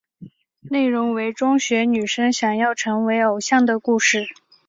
内容为中学女生想要成为偶像的故事。